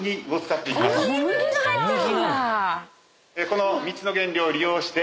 この。